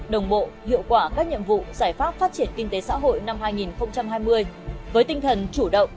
đồng bộ hiệu quả các nhiệm vụ giải pháp phát triển kinh tế xã hội năm hai nghìn hai mươi với tinh thần chủ động